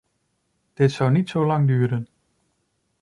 Dit zou niet zo lang duren.